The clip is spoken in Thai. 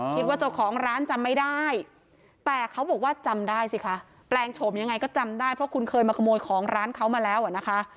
คิดว่าเจ้าของร้านจำไม่ได้แต่เขาบอกว่าจำได้สิคะแปลงโฉมยังไงก็จำได้เพราะคุณเคยมาขโมยของร้านเขามาแล้วอ่ะนะคะ